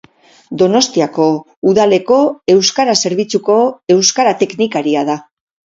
Donostiako Udaleko Euskara Zerbitzuko euskara teknikaria da.